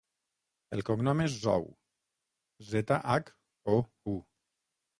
El cognom és Zhou: zeta, hac, o, u.